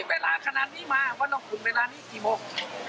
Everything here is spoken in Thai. รู้เปล่านี่เวลาขนาดนี้มาวันโรคคุณเวลานี้กี่โมง